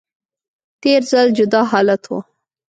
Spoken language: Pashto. تیر ځل جدا حالت و